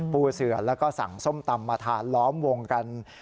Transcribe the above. ปูเสือแล้วก็สั่งส้มตำมาทานล้อมวงกัน